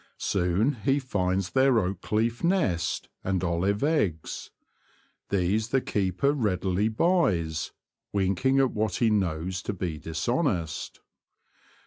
Soon he finds their oak leaf nest and olive eggs. These the keeper readily buys, winking at what he knows to be dishonest.